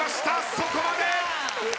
そこまで！